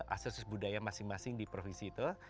asosiasis budaya masing masing di provinsi itu